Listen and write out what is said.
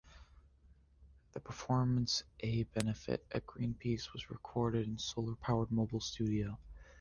The performance-a benefit for Greenpeace-was recorded in a solar-powered mobile studio.